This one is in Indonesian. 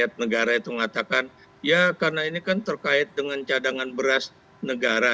setiap negara itu mengatakan ya karena ini kan terkait dengan cadangan beras negara